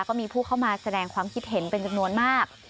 ก็มีผู้เข้ามาแสดงความคิดเห็นเป็นจำนวนมาก